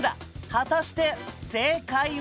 果たして正解は。